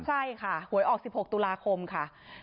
ใช่ค่ะหวยออก๑๖ตุลาคมค่ะ